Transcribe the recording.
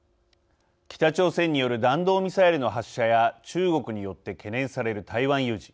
北朝鮮による弾道ミサイルの発射や中国によって懸念される台湾有事。